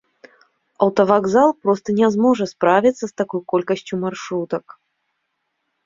Аўтавакзал проста не зможа справіцца з такой колькасцю маршрутак.